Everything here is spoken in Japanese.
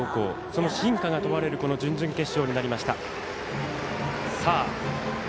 その真価が問われる準々決勝になりました。